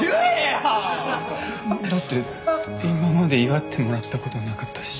だって今まで祝ってもらったことなかったし。